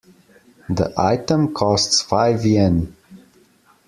The item costs five Yen.